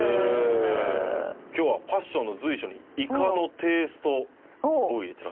今日はファッションの随所にイカのテイストを入れてらっしゃるそうですよ。